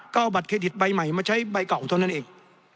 ก็เอาบัตรเครดิตใบใหม่มาใช้ใบเก่าเท่านั้นเอง